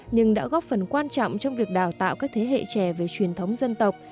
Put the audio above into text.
nhưng đã góp phần quan trọng trong việc đào tạo các thế hệ trẻ về truyền thống dân tộc